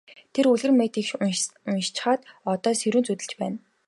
Тэр үлгэр хэт их уншчихаад одоо сэрүүн зүүдэлж байна.